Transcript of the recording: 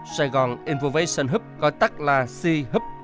sài gòn innovation hub gọi tắt là c hub